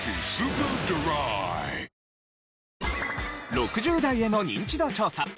６０代へのニンチド調査。